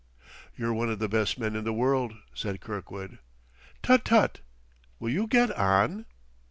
"You're one of the best men in the world," said Kirkwood. "Tut, tut! Will you get on?"